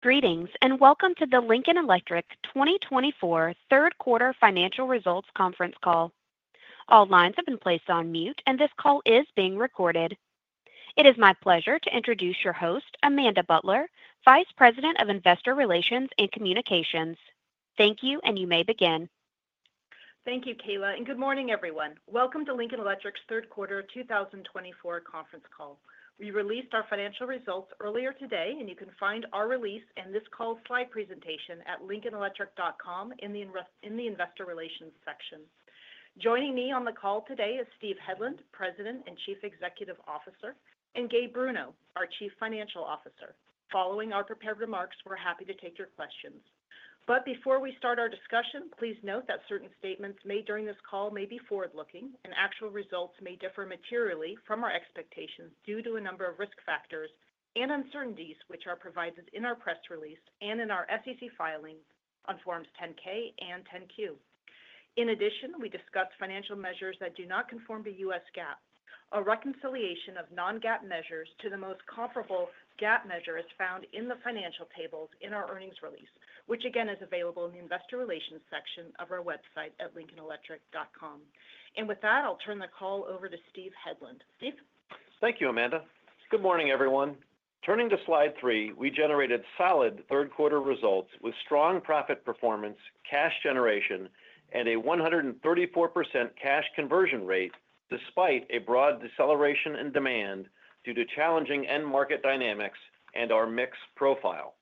Greetings and welcome to the Lincoln Electric 2024 third quarter financial results conference call. All lines have been placed on mute, and this call is being recorded. It is my pleasure to introduce your host, Amanda Butler, Vice President of Investor Relations and Communications. Thank you, and you may begin. Thank you, Kayla, and good morning, everyone. Welcome to Lincoln Electric's third quarter 2024 conference call. We released our financial results earlier today, and you can find our release and this call slide presentation at lincolnelectric.com in the Investor Relations section. Joining me on the call today is Steve Hedlund, President and Chief Executive Officer, and Gabe Bruno, our Chief Financial Officer. Following our prepared remarks, we're happy to take your questions, but before we start our discussion, please note that certain statements made during this call may be forward-looking, and actual results may differ materially from our expectations due to a number of risk factors and uncertainties which are provided in our press release and in our SEC filing on Forms 10-K and 10-Q. In addition, we discuss financial measures that do not conform to U.S. GAAP. A reconciliation of non-GAAP measures to the most comparable GAAP measure is found in the financial tables in our earnings release, which again is available in the Investor Relations section of our website at lincolnelectric.com. And with that, I'll turn the call over to Steve Hedlund. Steve? Thank you, Amanda. Good morning, everyone. Turning to slide three, we generated solid third quarter results with strong profit performance, cash generation, and a 134% cash conversion rate despite a broad deceleration in demand due to challenging end market dynamics and our mix profile.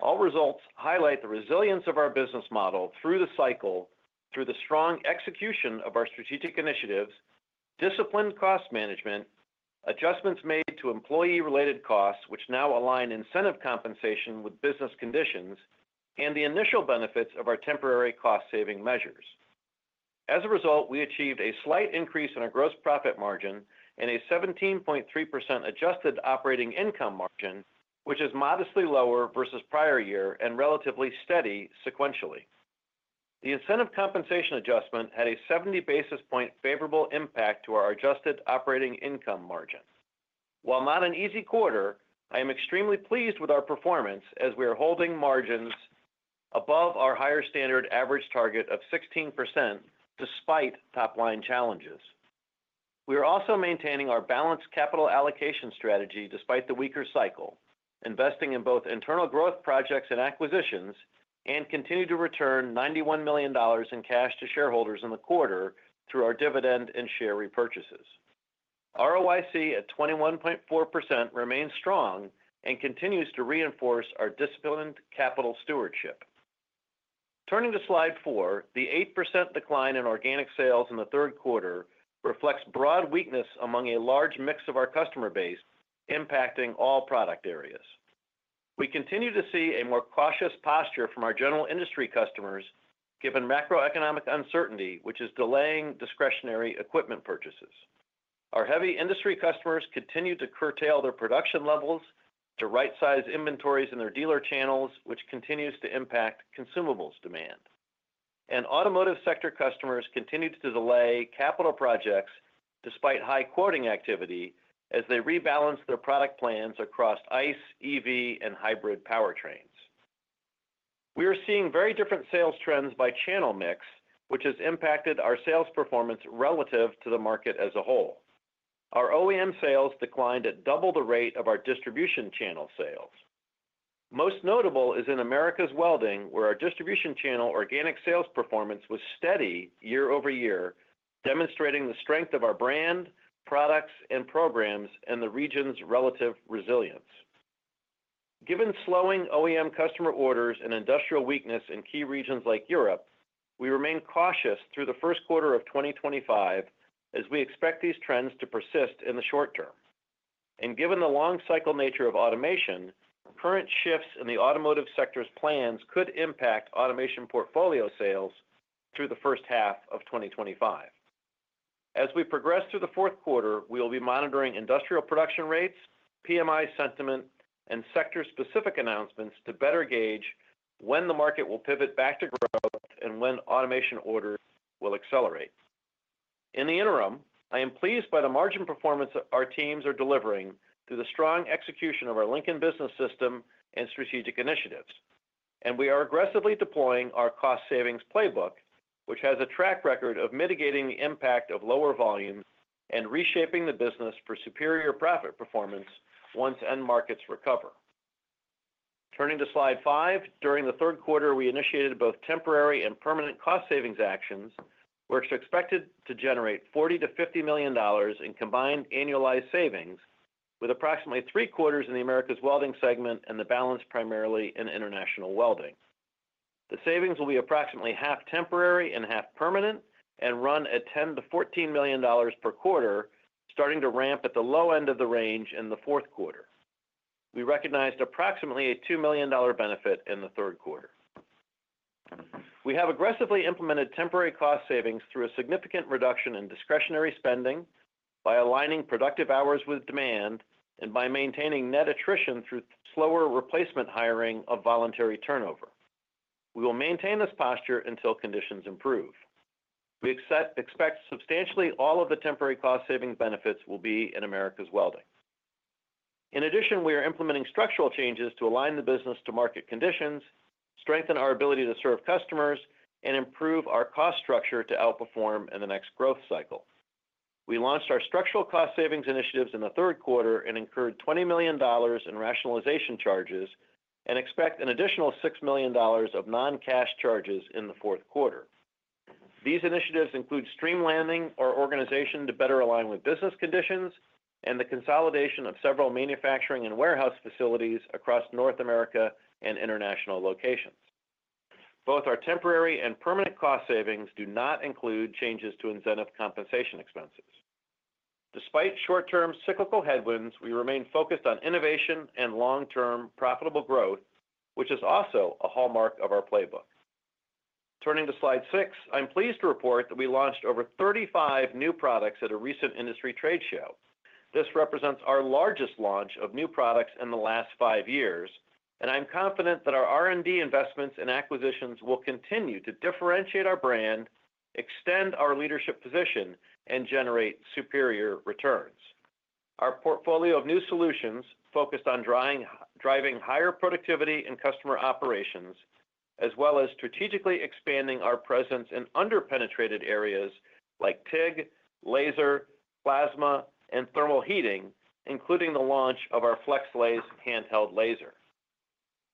All results highlight the resilience of our business model through the cycle, through the strong execution of our strategic initiatives, disciplined cost management, adjustments made to employee-related costs which now align incentive compensation with business conditions, and the initial benefits of our temporary cost-saving measures. As a result, we achieved a slight increase in our gross profit margin and a 17.3% adjusted operating income margin, which is modestly lower versus prior year and relatively steady sequentially. The incentive compensation adjustment had a 70 basis point favorable impact to our adjusted operating income margin. While not an easy quarter, I am extremely pleased with our performance as we are holding margins above our higher standard average target of 16% despite top-line challenges. We are also maintaining our balanced capital allocation strategy despite the weaker cycle, investing in both internal growth projects and acquisitions, and continue to return $91 million in cash to shareholders in the quarter through our dividend and share repurchases. ROIC at 21.4% remains strong and continues to reinforce our disciplined capital stewardship. Turning to slide four, the 8% decline in organic sales in the third quarter reflects broad weakness among a large mix of our customer base, impacting all product areas. We continue to see a more cautious posture from our general industry customers given macroeconomic uncertainty, which is delaying discretionary equipment purchases. Our heavy industry customers continue to curtail their production levels to right-size inventories in their dealer channels, which continues to impact consumables demand. And automotive sector customers continue to delay capital projects despite high quoting activity as they rebalance their product plans across ICE, EV, and hybrid powertrains. We are seeing very different sales trends by channel mix, which has impacted our sales performance relative to the market as a whole. Our OEM sales declined at double the rate of our distribution channel sales. Most notable is in Americas Welding, where our distribution channel organic sales performance was steady year over year, demonstrating the strength of our brand, products, and programs and the region's relative resilience. Given slowing OEM customer orders and industrial weakness in key regions like Europe, we remain cautious through the first quarter of 2025 as we expect these trends to persist in the short term. And given the long-cycle nature of automation, current shifts in the automotive sector's plans could impact automation portfolio sales through the first half of 2025. As we progress through the fourth quarter, we will be monitoring industrial production rates, PMI sentiment, and sector-specific announcements to better gauge when the market will pivot back to growth and when automation orders will accelerate. In the interim, I am pleased by the margin performance our teams are delivering through the strong execution of our Lincoln Business System and strategic initiatives. And we are aggressively deploying our cost savings playbook, which has a track record of mitigating the impact of lower volumes and reshaping the business for superior profit performance once end markets recover. Turning to slide five, during the third quarter, we initiated both temporary and permanent cost savings actions, which are expected to generate $40-$50 million in combined annualized savings, with approximately three quarters in the Americas Welding segment and the balance primarily in International Welding. The savings will be approximately half temporary and half permanent and run at $10-$14 million per quarter, starting to ramp at the low end of the range in the fourth quarter. We recognized approximately a $2 million benefit in the third quarter. We have aggressively implemented temporary cost savings through a significant reduction in discretionary spending by aligning productive hours with demand and by maintaining net attrition through slower replacement hiring of voluntary turnover. We will maintain this posture until conditions improve. We expect substantially all of the temporary cost savings benefits will be in Americas Welding. In addition, we are implementing structural changes to align the business to market conditions, strengthen our ability to serve customers, and improve our cost structure to outperform in the next growth cycle. We launched our structural cost savings initiatives in the third quarter and incurred $20 million in rationalization charges and expect an additional $6 million of non-cash charges in the fourth quarter. These initiatives include streamlining our organization to better align with business conditions and the consolidation of several manufacturing and warehouse facilities across North America and international locations. Both our temporary and permanent cost savings do not include changes to incentive compensation expenses. Despite short-term cyclical headwinds, we remain focused on innovation and long-term profitable growth, which is also a hallmark of our playbook. Turning to slide six, I'm pleased to report that we launched over 35 new products at a recent industry trade show. This represents our largest launch of new products in the last five years, and I'm confident that our R&D investments and acquisitions will continue to differentiate our brand, extend our leadership position, and generate superior returns. Our portfolio of new solutions focused on driving higher productivity in customer operations, as well as strategically expanding our presence in under-penetrated areas like TIG, laser, plasma, and thermal heating, including the launch of our FlexLase handheld laser.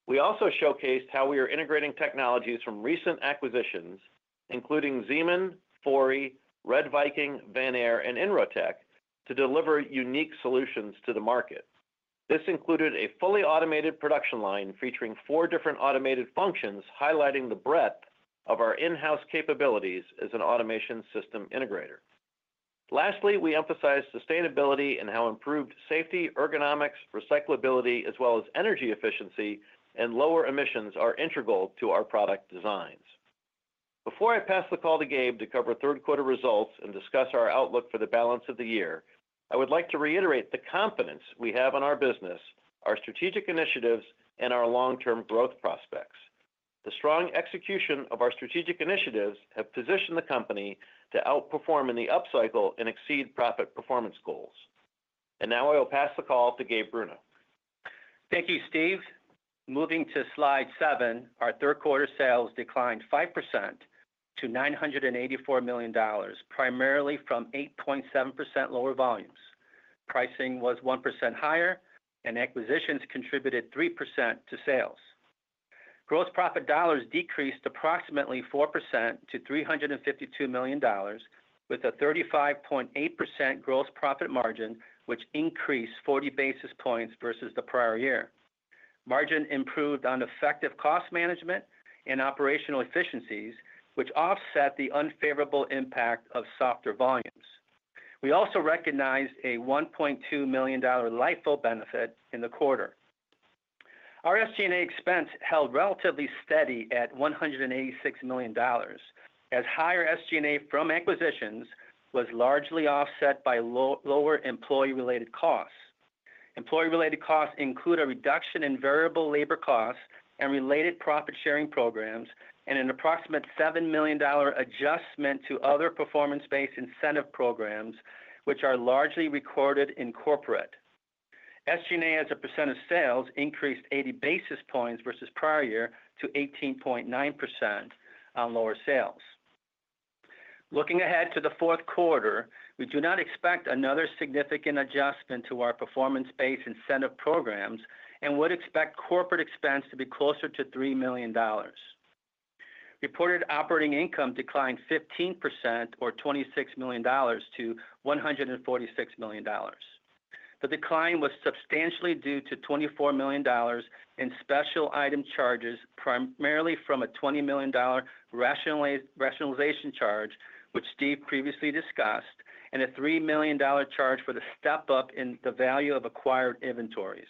We also showcased how we are integrating technologies from recent acquisitions, including Zeman, Fori, RedViking, Vanair, and Inrotech, to deliver unique solutions to the market. This included a fully automated production line featuring four different automated functions, highlighting the breadth of our in-house capabilities as an automation system integrator. Lastly, we emphasized sustainability and how improved safety, ergonomics, recyclability, as well as energy efficiency and lower emissions are integral to our product designs. Before I pass the call to Gabe to cover third quarter results and discuss our outlook for the balance of the year, I would like to reiterate the confidence we have in our business, our strategic initiatives, and our long-term growth prospects. The strong execution of our strategic initiatives has positioned the company to outperform in the upcycle and exceed profit performance goals, and now I will pass the call to Gabe Bruno. Thank you, Steve. Moving to slide seven, our third quarter sales declined 5% to $984 million, primarily from 8.7% lower volumes. Pricing was 1% higher, and acquisitions contributed 3% to sales. Gross profit dollars decreased approximately 4% to $352 million, with a 35.8% gross profit margin, which increased 40 basis points versus the prior year. Margin improved on effective cost management and operational efficiencies, which offset the unfavorable impact of softer volumes. We also recognized a $1.2 million LIFO benefit in the quarter. Our SG&A expense held relatively steady at $186 million, as higher SG&A from acquisitions was largely offset by lower employee-related costs. Employee-related costs include a reduction in variable labor costs and related profit-sharing programs, and an approximate $7 million adjustment to other performance-based incentive programs, which are largely recorded in corporate. SG&A as a % of sales increased 80 basis points versus prior year to 18.9% on lower sales. Looking ahead to the fourth quarter, we do not expect another significant adjustment to our performance-based incentive programs and would expect corporate expense to be closer to $3 million. Reported operating income declined 15%, or $26 million, to $146 million. The decline was substantially due to $24 million in special item charges, primarily from a $20 million rationalization charge, which Steve previously discussed, and a $3 million charge for the step-up in the value of acquired inventories.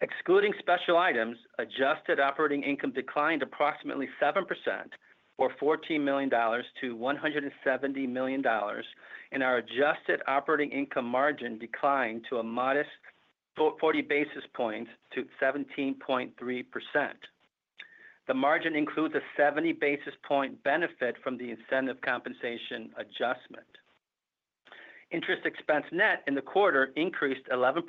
Excluding special items, adjusted operating income declined approximately 7%, or $14 million, to $170 million, and our adjusted operating income margin declined to a modest 40 basis points to 17.3%. The margin includes a 70 basis point benefit from the incentive compensation adjustment. Interest expense net in the quarter increased 11%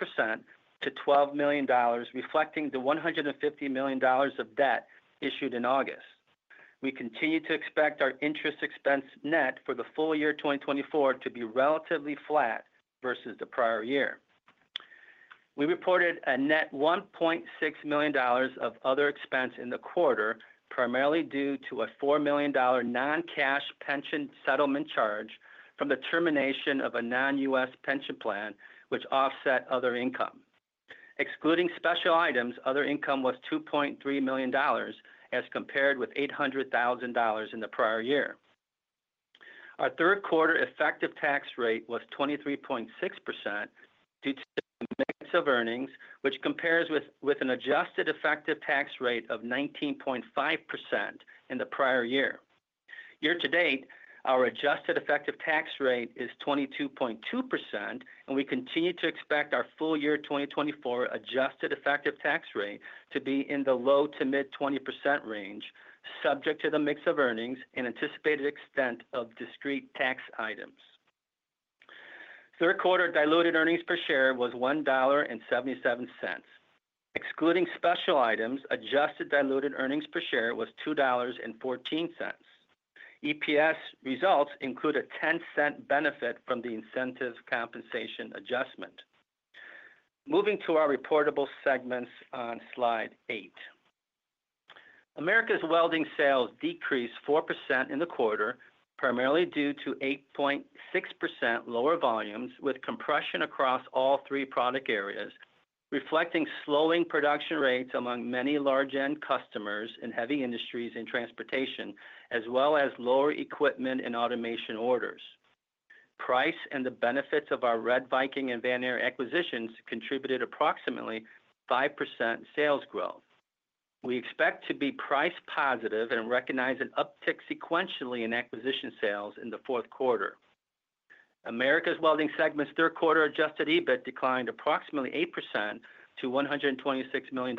to $12 million, reflecting the $150 million of debt issued in August. We continue to expect our interest expense net for the full year 2024 to be relatively flat versus the prior year. We reported a net $1.6 million of other expense in the quarter, primarily due to a $4 million non-cash pension settlement charge from the termination of a non-U.S. pension plan, which offset other income. Excluding special items, other income was $2.3 million as compared with $800,000 in the prior year. Our third quarter effective tax rate was 23.6% due to the mix of earnings, which compares with an adjusted effective tax rate of 19.5% in the prior year. Year to date, our adjusted effective tax rate is 22.2%, and we continue to expect our full year 2024 adjusted effective tax rate to be in the low- to mid-20% range, subject to the mix of earnings and anticipated extent of discrete tax items. Third quarter diluted earnings per share was $1.77. Excluding special items, adjusted diluted earnings per share was $2.14. EPS results include a $0.10 benefit from the incentive compensation adjustment. Moving to our reportable segments on slide eight. Americas Welding sales decreased 4% in the quarter, primarily due to 8.6% lower volumes, with compression across all three product areas, reflecting slowing production rates among many large-end customers in heavy industries and transportation, as well as lower equipment and automation orders. Price and the benefits of our RedViking and Vanair acquisitions contributed approximately 5% sales growth. We expect to be price positive and recognize an uptick sequentially in acquisition sales in the fourth quarter. Americas Welding segment's third quarter adjusted EBIT declined approximately 8% to $126 million.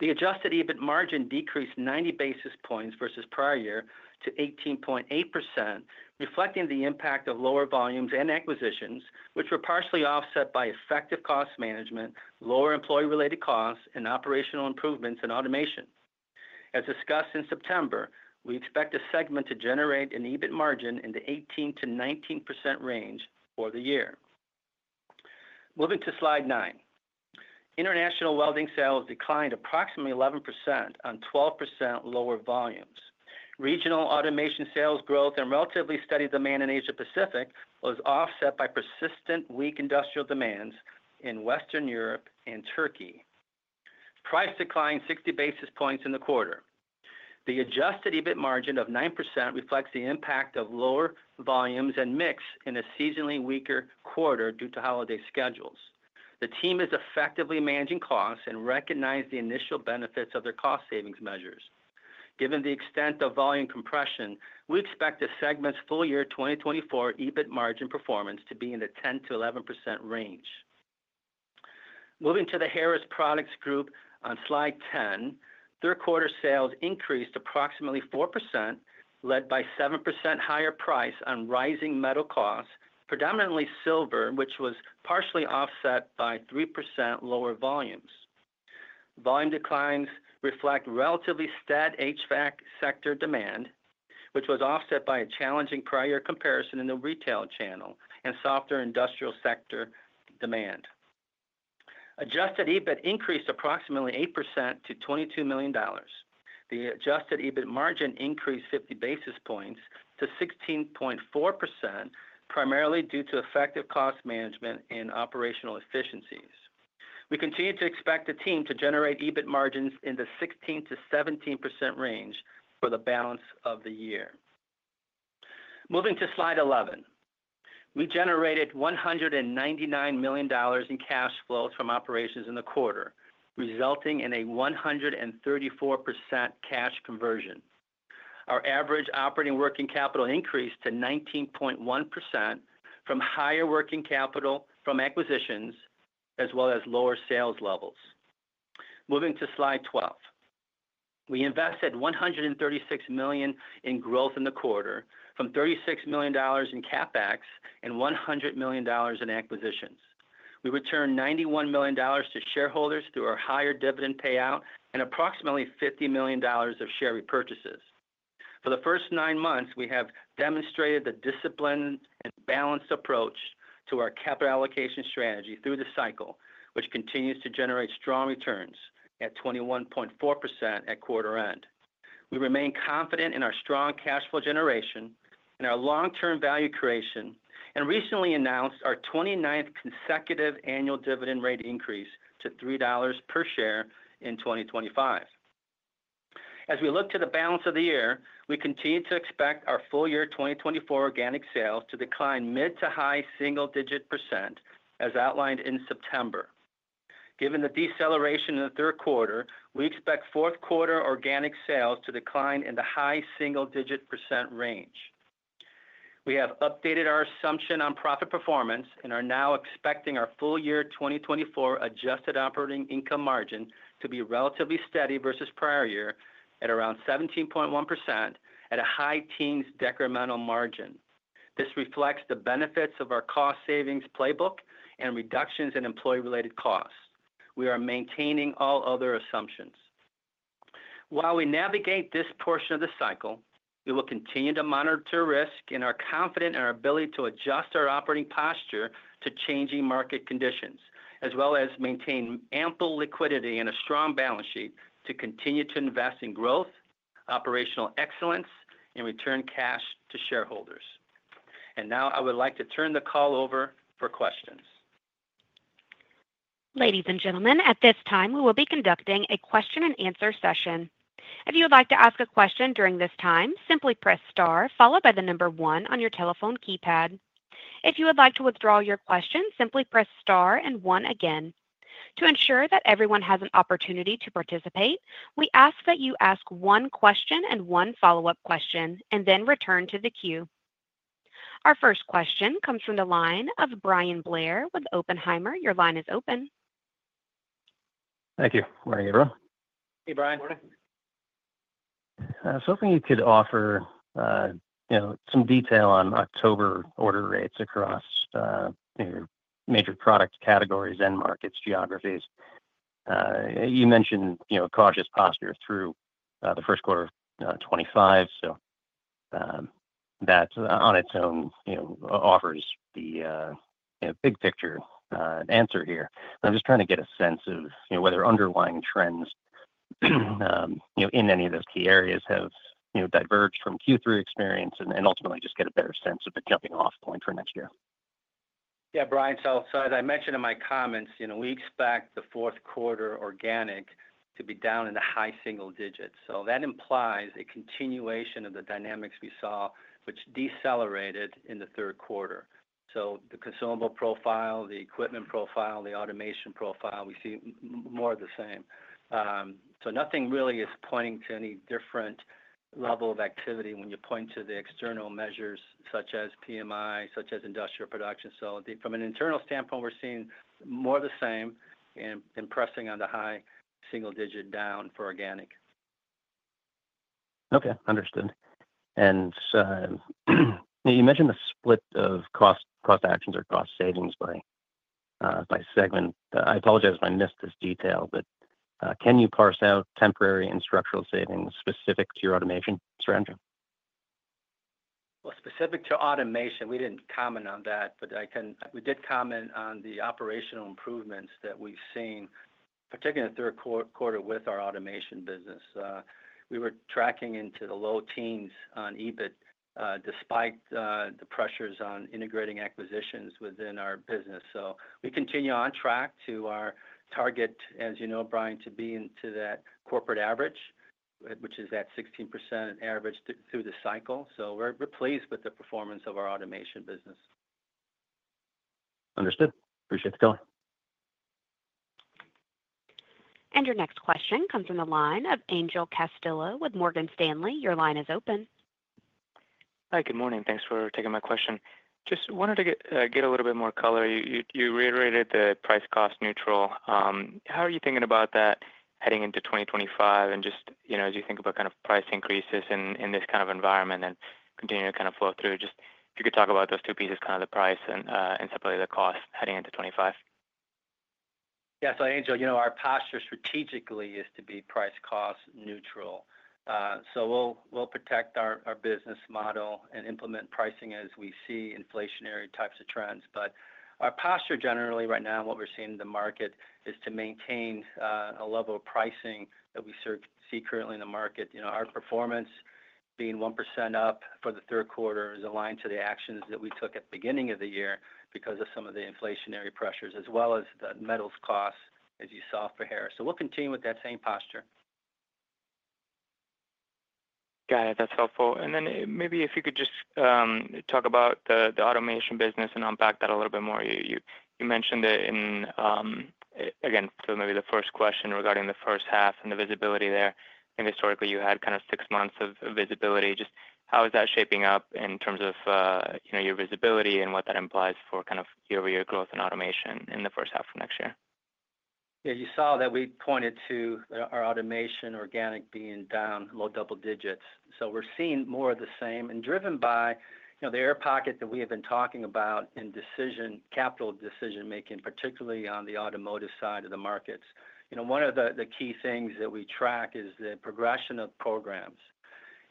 The adjusted EBIT margin decreased 90 basis points versus prior year to 18.8%, reflecting the impact of lower volumes and acquisitions, which were partially offset by effective cost management, lower employee-related costs, and operational improvements in automation. As discussed in September, we expect the segment to generate an EBIT margin in the 18%-19% range for the year. Moving to slide nine, International Welding sales declined approximately 11% on 12% lower volumes. Regional automation sales growth and relatively steady demand in Asia-Pacific was offset by persistent weak industrial demands in Western Europe and Turkey. Price declined 60 basis points in the quarter. The adjusted EBIT margin of 9% reflects the impact of lower volumes and mix in a seasonally weaker quarter due to holiday schedules. The team is effectively managing costs and recognized the initial benefits of their cost savings measures. Given the extent of volume compression, we expect the segment's full year 2024 EBIT margin performance to be in the 10%-11% range. Moving to the Harris Products Group on slide 10, third quarter sales increased approximately 4%, led by 7% higher price on rising metal costs, predominantly silver, which was partially offset by 3% lower volumes. Volume declines reflect relatively steady HVAC sector demand, which was offset by a challenging prior comparison in the retail channel and softer industrial sector demand. Adjusted EBIT increased approximately 8% to $22 million. The adjusted EBIT margin increased 50 basis points to 16.4%, primarily due to effective cost management and operational efficiencies. We continue to expect the team to generate EBIT margins in the 16%-17% range for the balance of the year. Moving to slide 11, we generated $199 million in cash flows from operations in the quarter, resulting in a 134% cash conversion. Our average operating working capital increased to 19.1% from higher working capital from acquisitions, as well as lower sales levels. Moving to slide 12, we invested $136 million in growth in the quarter, from $36 million in CapEx and $100 million in acquisitions. We returned $91 million to shareholders through our higher dividend payout and approximately $50 million of share repurchases. For the first nine months, we have demonstrated the disciplined and balanced approach to our capital allocation strategy through the cycle, which continues to generate strong returns at 21.4% at quarter end. We remain confident in our strong cash flow generation and our long-term value creation, and recently announced our 29th consecutive annual dividend rate increase to $3 per share in 2025. As we look to the balance of the year, we continue to expect our full year 2024 organic sales to decline mid- to high-single-digit %, as outlined in September. Given the deceleration in the third quarter, we expect fourth quarter organic sales to decline in the high single-digit % range. We have updated our assumption on profit performance and are now expecting our full year 2024 adjusted operating income margin to be relatively steady versus prior year at around 17.1%, at a high-teens decremental margin. This reflects the benefits of our cost savings playbook and reductions in employee-related costs. We are maintaining all other assumptions. While we navigate this portion of the cycle, we will continue to monitor risk and are confident in our ability to adjust our operating posture to changing market conditions, as well as maintain ample liquidity and a strong balance sheet to continue to invest in growth, operational excellence, and return cash to shareholders. And now I would like to turn the call over for questions. Ladies and gentlemen, at this time, we will be conducting a question-and-answer session. If you would like to ask a question during this time, simply press star, followed by the number one on your telephone keypad. If you would like to withdraw your question, simply press star and one again. To ensure that everyone has an opportunity to participate, we ask that you ask one question and one follow-up question, and then return to the queue. Our first question comes from the line of Bryan Blair with Oppenheimer. Your line is open. Thank you. Bryan Blair. Hey, Bryan. Good morning. I was hoping you could offer some detail on October order rates across your major product categories and markets, geographies. You mentioned cautious posture through the first quarter of 2025, so that on its own offers the big picture answer here. I'm just trying to get a sense of whether underlying trends in any of those key areas have diverged from Q3 experience and ultimately just get a better sense of the jumping-off point for next year. Yeah, Bryan. So as I mentioned in my comments, we expect the fourth quarter organic to be down in the high single digits. So that implies a continuation of the dynamics we saw, which decelerated in the third quarter. So the consumable profile, the equipment profile, the automation profile, we see more of the same. So nothing really is pointing to any different level of activity when you point to the external measures such as PMI, such as industrial production. So from an internal standpoint, we're seeing more of the same and pressing on the high single digit down for organic. Okay. Understood, and you mentioned the split of cost actions or cost savings by segment. I apologize if I missed this detail, but can you parse out temporary and structural savings specific to your automation strategy? Well, specific to automation, we didn't comment on that, but we did comment on the operational improvements that we've seen, particularly in the third quarter with our automation business. We were tracking into the low teens on EBIT despite the pressures on integrating acquisitions within our business. So we continue on track to our target, as you know, Bryan, to be into that corporate average, which is that 16% average through the cycle. So we're pleased with the performance of our automation business. Understood. Appreciate the time. Your next question comes from the line of Angel Castillo with Morgan Stanley. Your line is open. Hi. Good morning. Thanks for taking my question. Just wanted to get a little bit more color. You reiterated the price-cost neutral. How are you thinking about that heading into 2025? And just as you think about kind of price increases in this kind of environment and continue to kind of flow through, just if you could talk about those two pieces, kind of the price and simply the cost heading into 2025. Yeah. So Angel, our posture strategically is to be price-cost neutral. So we'll protect our business model and implement pricing as we see inflationary types of trends. But our posture generally right now, what we're seeing in the market is to maintain a level of pricing that we see currently in the market. Our performance being 1% up for the third quarter is aligned to the actions that we took at the beginning of the year because of some of the inflationary pressures, as well as the metals costs, as you saw for Harris. So we'll continue with that same posture. Got it. That's helpful, and then maybe if you could just talk about the automation business and unpack that a little bit more. You mentioned that in, again, so maybe the first question regarding the first half and the visibility there, I think historically you had kind of six months of visibility. Just how is that shaping up in terms of your visibility and what that implies for kind of year-over-year growth and automation in the first half of next year? Yeah. You saw that we pointed to our automation organic being down low double digits. So we're seeing more of the same and driven by the air pocket that we have been talking about in capital decision-making, particularly on the automotive side of the markets. One of the key things that we track is the progression of programs.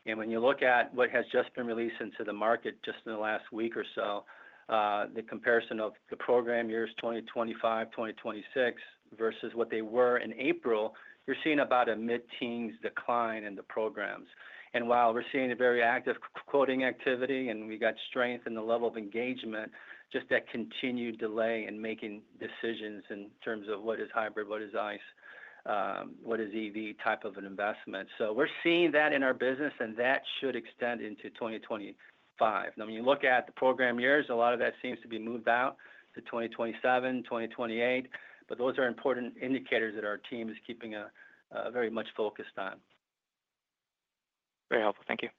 And when you look at what has just been released into the market just in the last week or so, the comparison of the program years 2025, 2026 versus what they were in April, you're seeing about a mid-teens decline in the programs. And while we're seeing a very active quoting activity and we got strength in the level of engagement, just that continued delay in making decisions in terms of what is hybrid, what is ICE, what is EV type of an investment. So we're seeing that in our business, and that should extend into 2025. Now, when you look at the program years, a lot of that seems to be moved out to 2027, 2028, but those are important indicators that our team is keeping very much focused on. Very helpful. Thank you.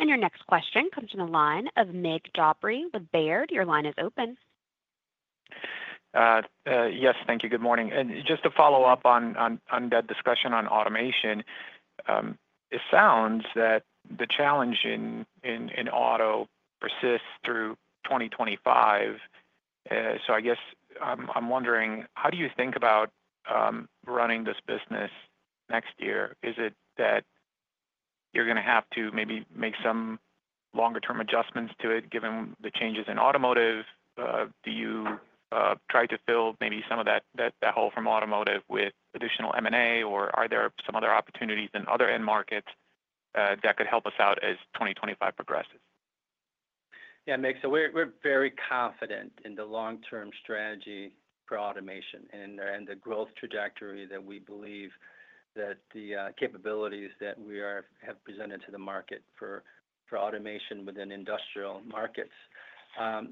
Your next question comes from the line of Mig Dobre with Baird. Your line is open. Yes. Thank you. Good morning, and just to follow up on that discussion on automation, it sounds that the challenge in auto persists through 2025. So I guess I'm wondering, how do you think about running this business next year? Is it that you're going to have to maybe make some longer-term adjustments to it given the changes in automotive? Do you try to fill maybe some of that hole from automotive with additional M&A, or are there some other opportunities in other end markets that could help us out as 2025 progresses? Yeah, Mig, so we're very confident in the long-term strategy for automation and the growth trajectory that we believe that the capabilities that we have presented to the market for automation within industrial markets.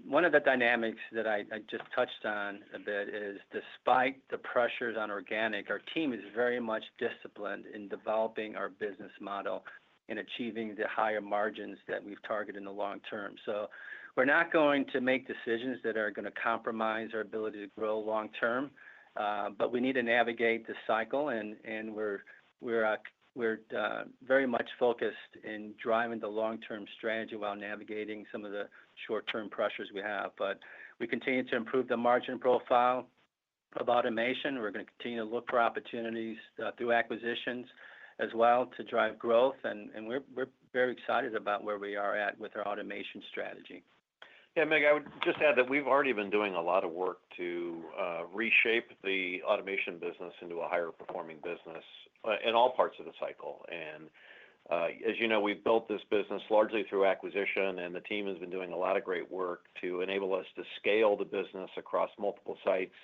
One of the dynamics that I just touched on a bit is, despite the pressures on organic, our team is very much disciplined in developing our business model and achieving the higher margins that we've targeted in the long term. So we're not going to make decisions that are going to compromise our ability to grow long term, but we need to navigate the cycle, and we're very much focused in driving the long-term strategy while navigating some of the short-term pressures we have. But we continue to improve the margin profile of automation. We're going to continue to look for opportunities through acquisitions as well to drive growth, and we're very excited about where we are at with our automation strategy. Yeah, Mig, I would just add that we've already been doing a lot of work to reshape the automation business into a higher-performing business in all parts of the cycle. And as you know, we've built this business largely through acquisition, and the team has been doing a lot of great work to enable us to scale the business across multiple sites,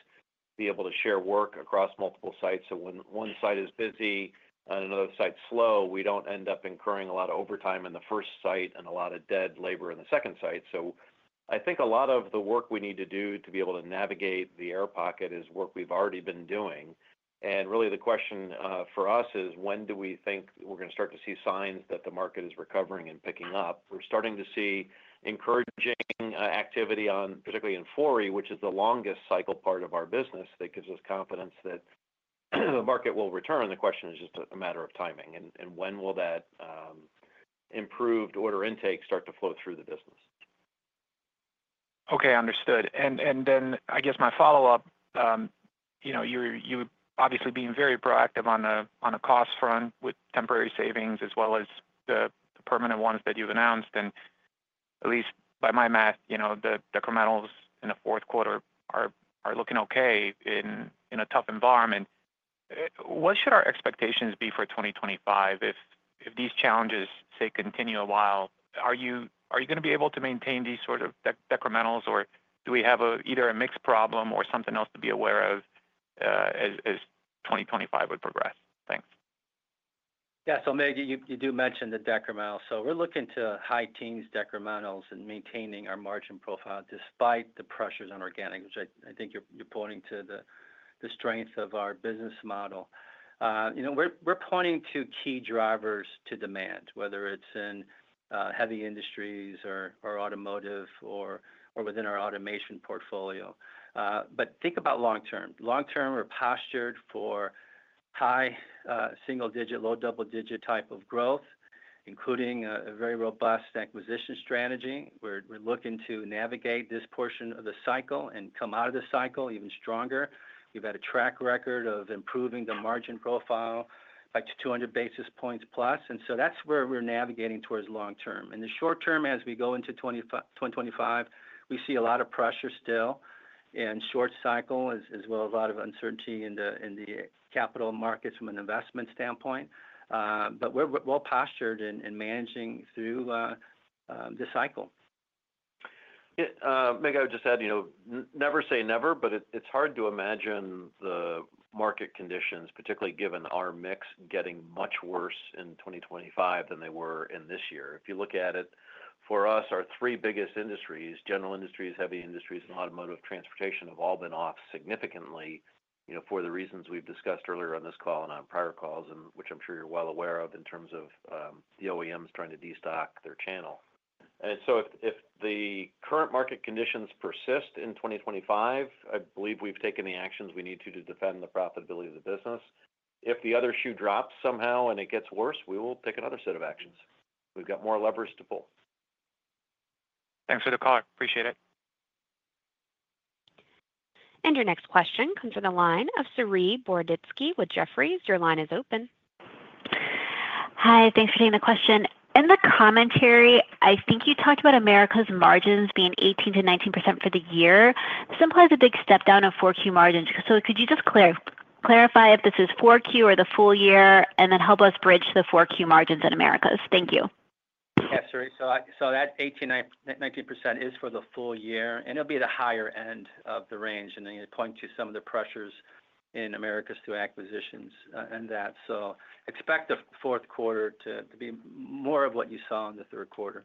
be able to share work across multiple sites. So when one site is busy and another site's slow, we don't end up incurring a lot of overtime in the first site and a lot of dead labor in the second site. So I think a lot of the work we need to do to be able to navigate the air pocket is work we've already been doing. And really, the question for us is, when do we think we're going to start to see signs that the market is recovering and picking up? We're starting to see encouraging activity on, particularly in Fori, which is the longest cycle part of our business that gives us confidence that the market will return. The question is just a matter of timing, and when will that improved order intake start to flow through the business? Okay. Understood. And then I guess my follow-up, you're obviously being very proactive on a cost front with temporary savings as well as the permanent ones that you've announced. And at least by my math, the decrementals in the fourth quarter are looking okay in a tough environment. What should our expectations be for 2025? If these challenges, say, continue a while, are you going to be able to maintain these sort of decrementals, or do we have either a mixed problem or something else to be aware of as 2025 would progress? Thanks. Yeah. So, Mig, you do mention the decrementals, so we're looking to high teens decrementals and maintaining our margin profile despite the pressures on organic, which I think you're pointing to the strength of our business model. We're pointing to key drivers to demand, whether it's in heavy industries or automotive or within our automation portfolio, but think about long-term. Long-term, we're postured for high single-digit, low double-digit type of growth, including a very robust acquisition strategy. We're looking to navigate this portion of the cycle and come out of the cycle even stronger. We've had a track record of improving the margin profile by 200 basis points+, and so that's where we're navigating towards long-term. In the short term, as we go into 2025, we see a lot of pressure still in short cycle, as well as a lot of uncertainty in the capital markets from an investment standpoint, but we're well postured in managing through the cycle. Yeah. Mig, I would just add, never say never, but it's hard to imagine the market conditions, particularly given our mix getting much worse in 2025 than they were in this year. If you look at it, for us, our three biggest industries, general industries, heavy industries, and automotive transportation, have all been off significantly for the reasons we've discussed earlier on this call and on prior calls, which I'm sure you're well aware of in terms of the OEMs trying to destock their channel. And so if the current market conditions persist in 2025, I believe we've taken the actions we need to defend the profitability of the business. If the other shoe drops somehow and it gets worse, we will take another set of actions. We've got more levers to pull. Thanks for the call. Appreciate it. And your next question comes from the line of Saree Boroditsky with Jefferies. Your line is open. Hi. Thanks for taking the question. In the commentary, I think you talked about Americas margins being 18%-19% for the year. This implies a big step down of 4Q margins. So could you just clarify if this is 4Q or the full year and then help us bridge to the 4Q margins in Americas? Thank you. Yeah, Saree. So that 18%-19% is for the full year, and it'll be the higher end of the range. And then you point to some of the pressures in Americas through acquisitions and that. So expect the fourth quarter to be more of what you saw in the third quarter.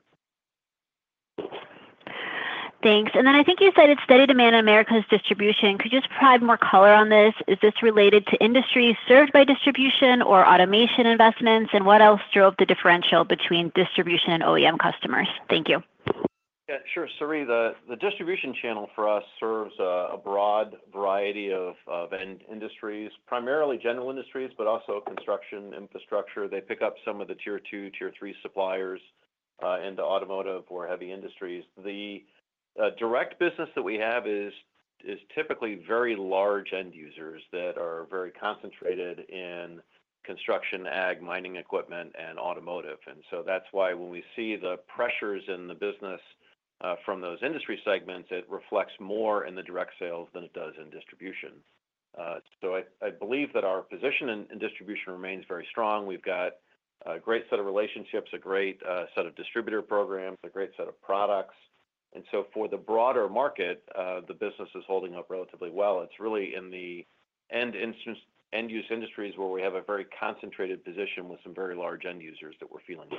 Thanks. And then I think you cited steady demand in Americas distribution. Could you just provide more color on this? Is this related to industries served by distribution or automation investments? And what else drove the differential between distribution and OEM customers? Thank you. Yeah. Sure. Saree, the distribution channel for us serves a broad variety of industries, primarily general industries, but also construction, infrastructure. They pick up some of the tier two, tier three suppliers into automotive or heavy industries. The direct business that we have is typically very large end users that are very concentrated in construction, ag, mining equipment, and automotive. And so that's why when we see the pressures in the business from those industry segments, it reflects more in the direct sales than it does in distribution. So I believe that our position in distribution remains very strong. We've got a great set of relationships, a great set of distributor programs, a great set of products. And so for the broader market, the business is holding up relatively well. It's really in the end use industries where we have a very concentrated position with some very large end users that we're feeling the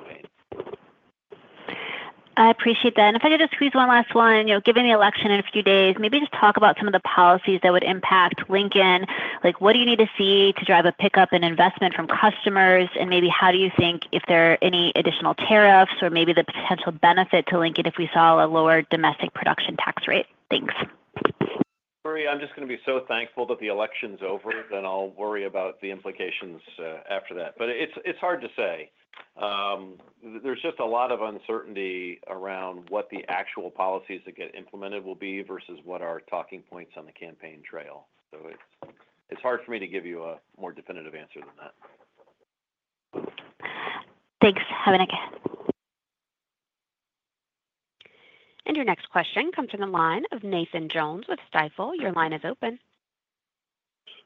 pain. I appreciate that. And if I could just squeeze one last one, given the election in a few days, maybe just talk about some of the policies that would impact Lincoln. What do you need to see to drive a pickup in investment from customers? And maybe how do you think if there are any additional tariffs or maybe the potential benefit to Lincoln if we saw a lower domestic production tax rate? Thanks. Saree, I'm just going to be so thankful that the election's over, then I'll worry about the implications after that. But it's hard to say. There's just a lot of uncertainty around what the actual policies that get implemented will be versus what our talking points on the campaign trail. So it's hard for me to give you a more definitive answer than that. Thanks. Have a nice day. And your next question comes from the line of Nathan Jones with Stifel. Your line is open.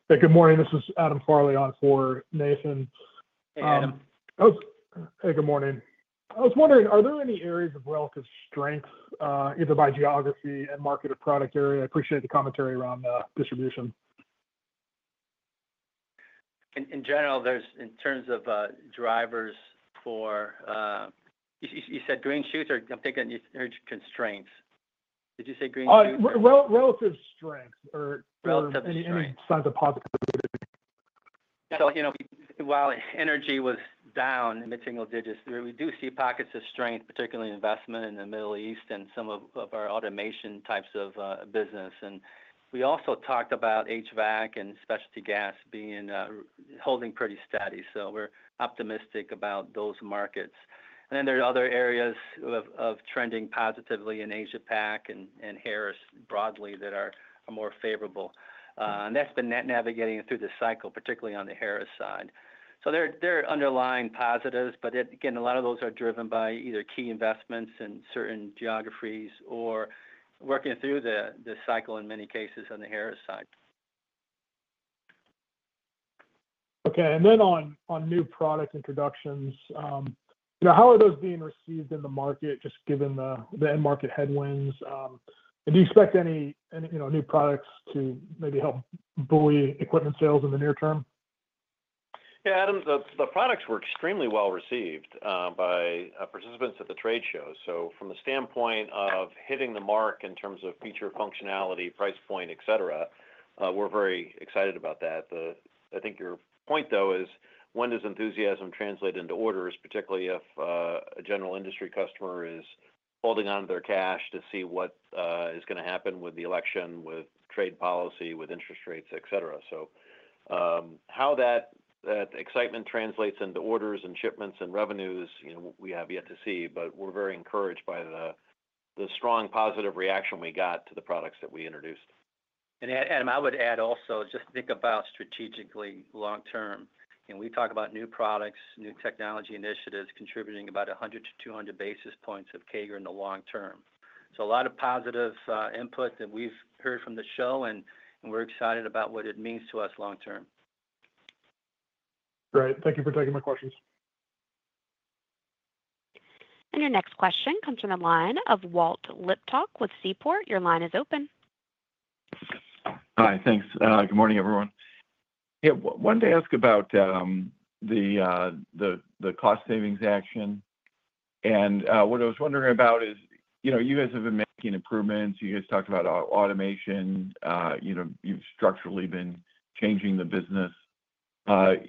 Hey, good morning. This is Adam Farley on for Nathan. Hey, good morning. I was wondering, are there any areas of relative strength either by geography and market or product area? I appreciate the commentary around distribution. In general, in terms of drivers for you said green shoots, or I'm thinking you heard constraints. Did you say green shoots? Relative strength or any signs of positivity. So while energy was down in the single digits, we do see pockets of strength, particularly investment in the Middle East and some of our automation types of business. And we also talked about HVAC and specialty gas holding pretty steady. So we're optimistic about those markets. And then there are other areas of trending positively in Asia-Pac and Harris broadly that are more favorable. And that's been navigating through the cycle, particularly on the Harris side. So there are underlying positives, but again, a lot of those are driven by either key investments in certain geographies or working through the cycle in many cases on the Harris side. Okay. And then on new product introductions, how are those being received in the market just given the end market headwinds? And do you expect any new products to maybe help buoy equipment sales in the near term? Yeah, Adam, the products were extremely well received by participants at the trade show. So from the standpoint of hitting the mark in terms of feature functionality, price point, etc., we're very excited about that. I think your point, though, is when does enthusiasm translate into orders, particularly if a general industry customer is holding onto their cash to see what is going to happen with the election, with trade policy, with interest rates, etc. So how that excitement translates into orders and shipments and revenues, we have yet to see, but we're very encouraged by the strong positive reaction we got to the products that we introduced. Adam, I would add also, just think about strategically long-term. We talk about new products, new technology initiatives contributing about 100-200 basis points of CAGR in the long term. A lot of positive input that we've heard from the show, and we're excited about what it means to us long-term. Great. Thank you for taking my questions. Your next question comes from the line of Walt Liptak with Seaport. Your line is open. Hi, thanks. Good morning, everyone. Yeah, wanted to ask about the cost savings action, and what I was wondering about is you guys have been making improvements. You guys talked about automation. You've structurally been changing the business. I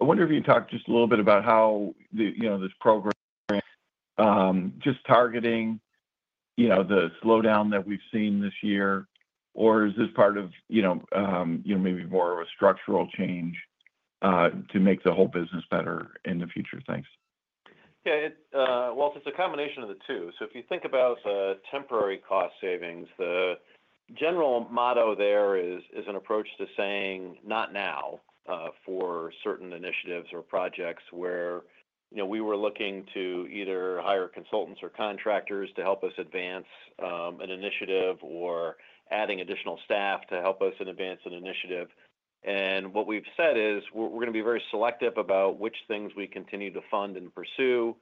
wonder if you'd talk just a little bit about how this program just targeting the slowdown that we've seen this year, or is this part of maybe more of a structural change to make the whole business better in the future? Thanks. Yeah, Walt, it's a combination of the two, so if you think about the temporary cost savings, the general motto there is an approach to saying not now for certain initiatives or projects where we were looking to either hire consultants or contractors to help us advance an initiative or adding additional staff to help us advance an initiative, and what we've said is we're going to be very selective about which things we continue to fund and pursue.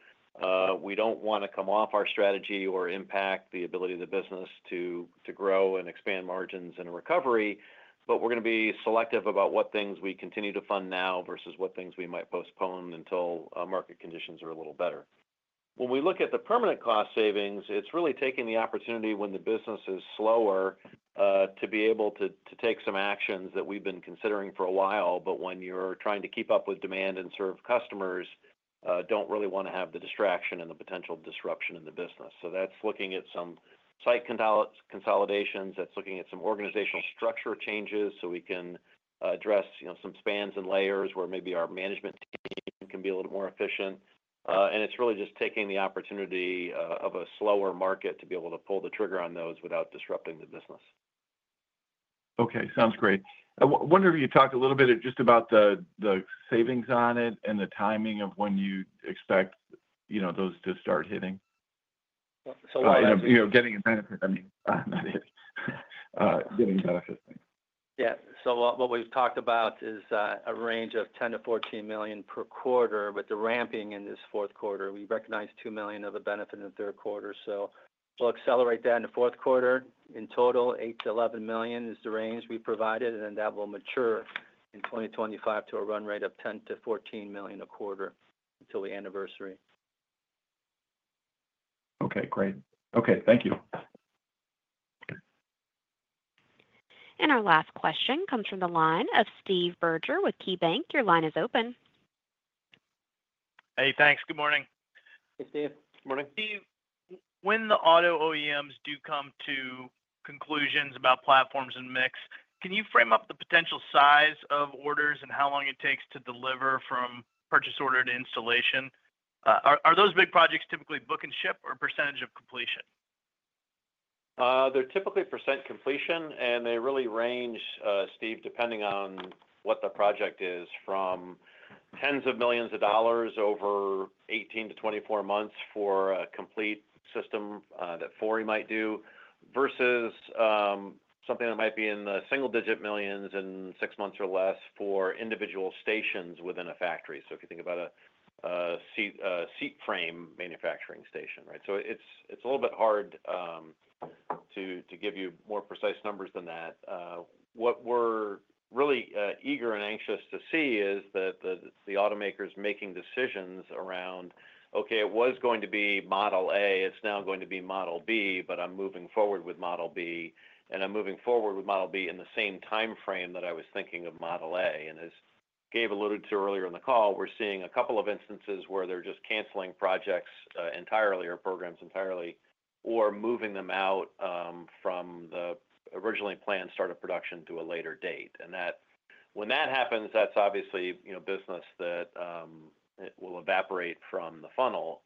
We don't want to come off our strategy or impact the ability of the business to grow and expand margins in a recovery, but we're going to be selective about what things we continue to fund now versus what things we might postpone until market conditions are a little better. When we look at the permanent cost savings, it's really taking the opportunity when the business is slower to be able to take some actions that we've been considering for a while, but when you're trying to keep up with demand and serve customers, don't really want to have the distraction and the potential disruption in the business. So that's looking at some site consolidations. That's looking at some organizational structure changes so we can address some spans and layers where maybe our management team can be a little more efficient. And it's really just taking the opportunity of a slower market to be able to pull the trigger on those without disrupting the business. Okay. Sounds great. I wonder if you talked a little bit just about the savings on it and the timing of when you expect those to start hitting. What are the? Getting a benefit. I mean, not hitting. Getting benefits. Yeah. So what we've talked about is a range of $10 million-$14 million per quarter, but the ramping in this fourth quarter. We recognize $2 million of a benefit in the third quarter. So we'll accelerate that in the fourth quarter. In total, $8 million-$11 million is the range we provided, and then that will mature in 2025 to a run rate of $10 million-$14 million a quarter until the anniversary. Okay. Great. Okay. Thank you. Our last question comes from the line of Steve Barger with KeyBanc Capital Markets. Your line is open. Hey, thanks. Good morning. Hey, Steve. Good morning. Steve, when the auto OEMs do come to conclusions about platforms and mix, can you frame up the potential size of orders and how long it takes to deliver from purchase order to installation? Are those big projects typically book and ship or percentage of completion? They're typically percent completion, and they really range, Steve, depending on what the project is, from tens of millions of dollars over 18-24 months for a complete system that Fori might do versus something that might be in the single-digit millions in six months or less for individual stations within a factory. So if you think about a seat frame manufacturing station, right? So it's a little bit hard to give you more precise numbers than that. What we're really eager and anxious to see is that the automakers making decisions around, okay, it was going to be model A, it's now going to be model B, but I'm moving forward with model B, and I'm moving forward with model B in the same timeframe that I was thinking of model A. As Gabe alluded to earlier in the call, we're seeing a couple of instances where they're just canceling projects entirely or programs entirely or moving them out from the originally planned start of production to a later date. When that happens, that's obviously business that will evaporate from the funnel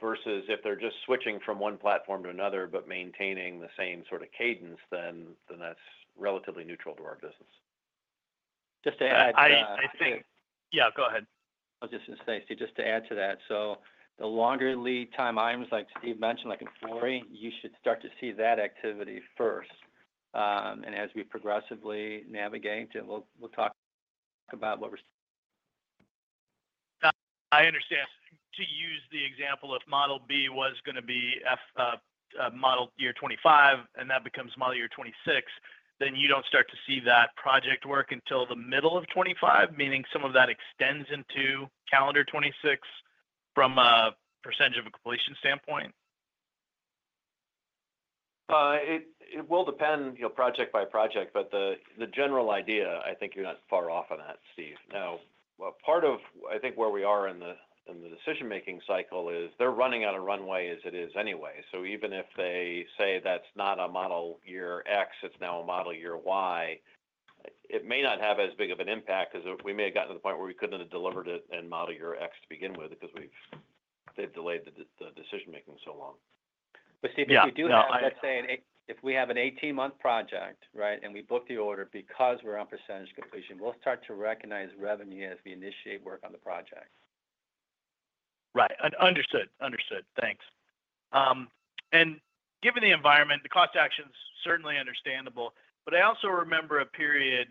versus if they're just switching from one platform to another but maintaining the same sort of cadence, then that's relatively neutral to our business. Just to add. I think. Yeah, go ahead. I was just going to say, Steve, just to add to that. So the longer lead time items, like Steve mentioned, like in Fori, you should start to see that activity first. And as we progressively navigate, we'll talk about what we're. I understand. To use the example of model B was going to be model year 2025, and that becomes model year 2026, then you don't start to see that project work until the middle of 2025, meaning some of that extends into calendar 2026 from a percentage of a completion standpoint? It will depend project by project, but the general idea, I think you're not far off on that, Steve. Now, part of, I think, where we are in the decision-making cycle is they're running on a runway as it is anyway. So even if they say that's not a model year X, it's now a model year Y, it may not have as big of an impact because we may have gotten to the point where we couldn't have delivered it in model year X to begin with because they've delayed the decision-making so long. Steve, if you do have that saying, if we have an 18-month project, right, and we book the order because we're on percentage completion, we'll start to recognize revenue as we initiate work on the project. Right. Understood. Understood. Thanks. And given the environment, the cost action's certainly understandable, but I also remember a period,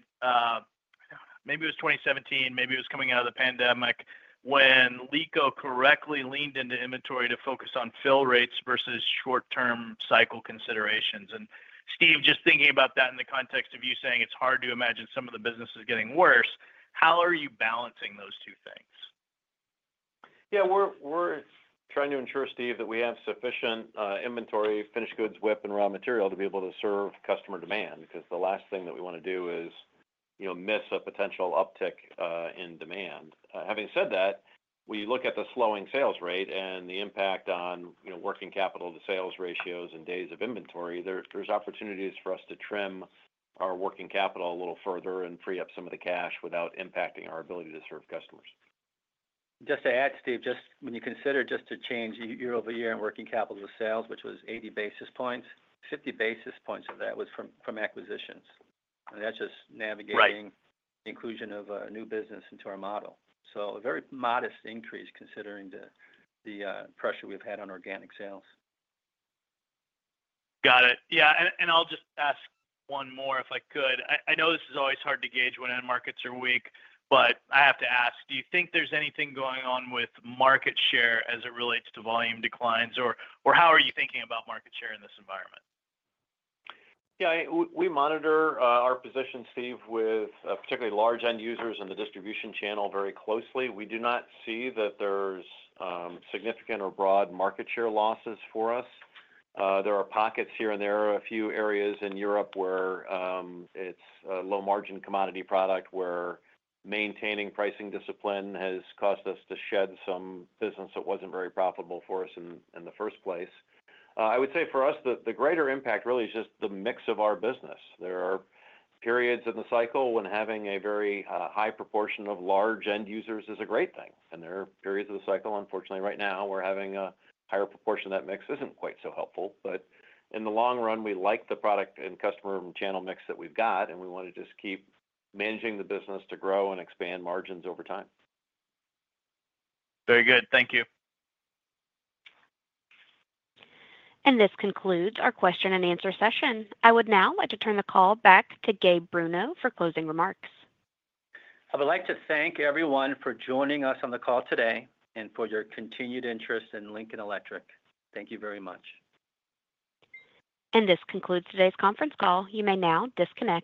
maybe it was 2017, maybe it was coming out of the pandemic when LECO correctly leaned into inventory to focus on fill rates versus short-term cycle considerations. And Steve, just thinking about that in the context of you saying it's hard to imagine some of the businesses getting worse, how are you balancing those two things? Yeah, we're trying to ensure, Steve, that we have sufficient inventory, finished goods, WIP, and raw material to be able to serve customer demand because the last thing that we want to do is miss a potential uptick in demand. Having said that, when you look at the slowing sales rate and the impact on working capital to sales ratios and days of inventory, there's opportunities for us to trim our working capital a little further and free up some of the cash without impacting our ability to serve customers. Just to add, Steve, when you consider the change year over year in working capital to sales, which was 80 basis points, 50 basis points of that was from acquisitions, and that's just navigating the inclusion of a new business into our model, so a very modest increase considering the pressure we've had on organic sales. Got it. Yeah. And I'll just ask one more if I could. I know this is always hard to gauge when end markets are weak, but I have to ask, do you think there's anything going on with market share as it relates to volume declines, or how are you thinking about market share in this environment? Yeah, we monitor our position, Steve, with particularly large end users in the distribution channel very closely. We do not see that there's significant or broad market share losses for us. There are pockets here and there, a few areas in Europe where it's a low-margin commodity product where maintaining pricing discipline has cost us to shed some business that wasn't very profitable for us in the first place. I would say for us, the greater impact really is just the mix of our business. There are periods in the cycle when having a very high proportion of large end users is a great thing. And there are periods of the cycle, unfortunately, right now, we're having a higher proportion of that mix isn't quite so helpful. But in the long run, we like the product and customer channel mix that we've got, and we want to just keep managing the business to grow and expand margins over time. Very good. Thank you. This concludes our question and answer session. I would now like to turn the call back to Gabe Bruno for closing remarks. I would like to thank everyone for joining us on the call today and for your continued interest in Lincoln Electric. Thank you very much. This concludes today's conference call. You may now disconnect.